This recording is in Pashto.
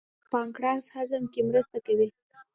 پانکریاس هضم کې مرسته کوي.